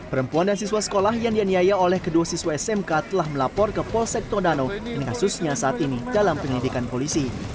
perempuan dan siswa sekolah yang dianiaya oleh kedua siswa smk telah melapor ke polsek todano yang kasusnya saat ini dalam penyelidikan polisi